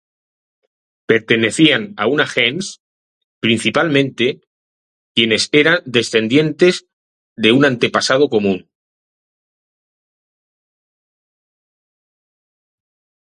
Pertenecían a una gens, principalmente, quienes eran descendientes de un antepasado común.